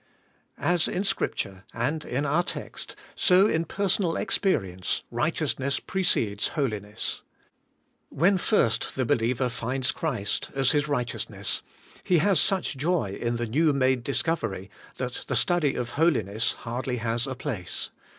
As in Scripture, and in our text, so in personal experience righteousness precedes holiness. When first the believer finds Christ as his righteousness, he has such joy in the new made discovery that the study of holiness hardly has a place.